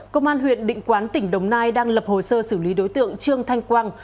công an huyện định quán tỉnh đồng nai đang lập hồ sơ xử lý đối tượng trương thanh quang